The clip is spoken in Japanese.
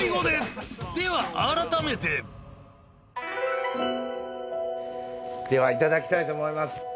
では改めてではいただきたいと思います。